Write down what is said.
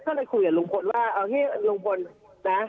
ก็เลยคุยกับลุงพลว่าเอาที่ลุงพลนะ